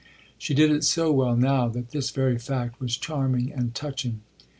She did it so well now that this very fact was charming and touching.